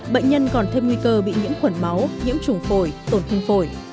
bệnh nhân còn thêm nguy cơ bị nhiễm khuẩn máu nhiễm trùng phổi tổn thương phổi